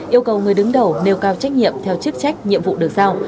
yêu cầu người đứng đầu nêu cao trách nhiệm theo chức trách nhiệm vụ được giao